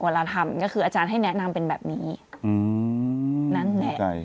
เวลาทำก็คืออาจารย์ให้แนะนำเป็นแบบนี้นั่นแหละ